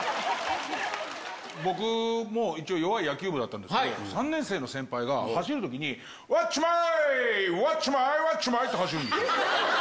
僕も一応、弱い野球部だったんですけど、３年生の先輩が、走るときに、ワッチマーイ、ワッチマーイ、ワッチマーイって走るんですよ。